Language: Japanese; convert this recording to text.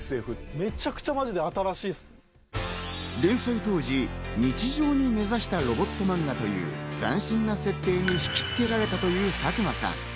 連載当時、日常に根差したロボットマンガという斬新な設定に惹きつけられたという佐久間さん。